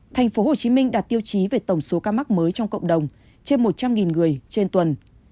thành phố hồ chí minh đạt tiêu chí về tổng số ca mắc mới trong cộng đồng trên một trăm linh người trên tuần